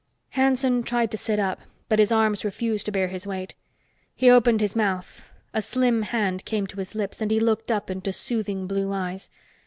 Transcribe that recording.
Hanson tried to sit up, but his arms refused to bear his weight. He opened his mouth. A slim hand came to his lips, and he looked up into soothing blue eyes.